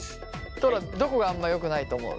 トラどこがあんまりよくないと思う？